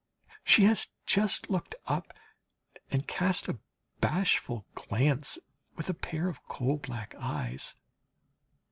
She has just looked up and cast a bashful glance with a pair of coal black eyes.